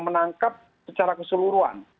menangkap secara keseluruhan